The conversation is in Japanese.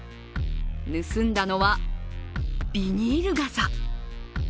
盗んだのは、ビニール傘。